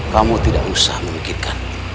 kamu tidak usah memikirkan